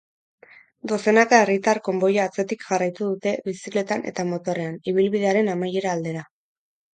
Dozenaka herritar konboia atzetik jarraitu dute bizikletan eta motorrean, ibilbidearen amaiera aldera.